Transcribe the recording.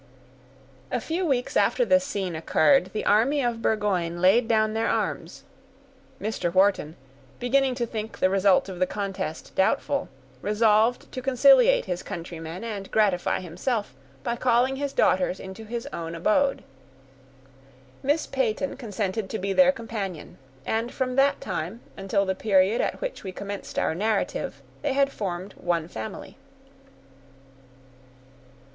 A few weeks after this scene occurred, the army of Burgoyne laid down their arms. Mr. Wharton, beginning to think the result of the contest doubtful, resolved to conciliate his countrymen, and gratify himself, by calling his daughters into his own abode. Miss Peyton consented to be their companion; and from that time, until the period at which we commenced our narrative, they had formed one family.